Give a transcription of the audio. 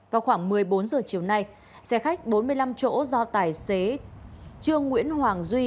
vào khoảng một mươi bốn giờ chiều nay xe khách bốn mươi năm chỗ do tài xế trương nguyễn hoàng duy